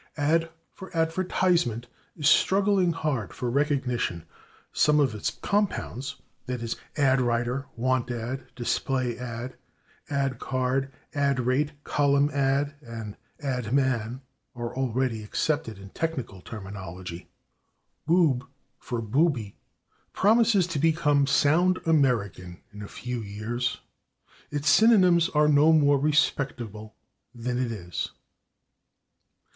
/Ad/ for /advertisement/ is struggling hard for recognition; some of its compounds, /e. g./, /ad writer/, /want ad/, /display ad/, /ad card/, /ad rate/, /column ad/ and /ad man/, are already accepted in technical terminology. /Boob/ for /booby/ promises to become sound American in a few years; its synonyms are no more respectable than it is.